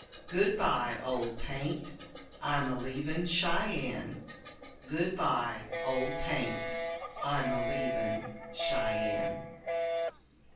Goodbye, Old Paint, I'm a leavin' Cheyenne. Goodbye, Old Paint, I'm a leavin' Cheyenne.